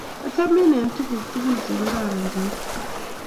achamin eng' tuguk tugul che kararan cheitinye